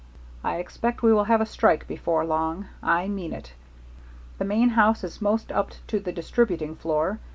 I expect we will have a strike before long. I mean it. The main house is most up to the distributing floor.